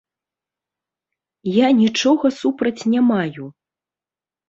Я нічога супраць не маю.